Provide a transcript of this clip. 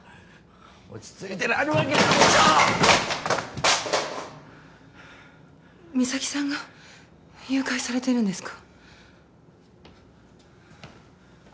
落ち着いてられるわけないでしょ実咲さんが誘拐されてるんですか？